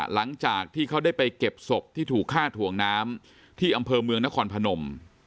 หลังจากที่เขาได้ไปเก็บศพที่ถูกฆ่าถ่วงน้ำที่อำเภอเมืองนครพนม